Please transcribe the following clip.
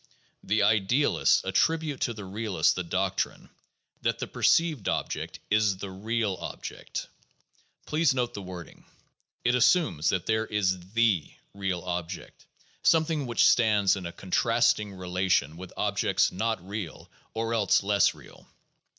The idealists attribute to the realists the doctrine that "the per ceived object is the real object." Please note the wording; it assumes that there is the real object, something which stands in a contrasting relation with objects not real or else less real.